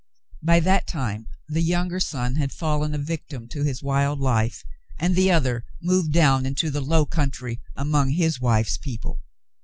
By that time the younger son had fallen a victim to his wild life, and the other moved down into the low country among his wife's people.